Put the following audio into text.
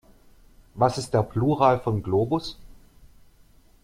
Was ist der Plural von Globus?